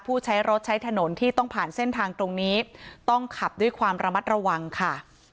ผู้ใช้รถใช้ถนนที่ต้องผ่านเส้นทางตรงนี้ต้องขับด้วยความระมัดระวังค่ะ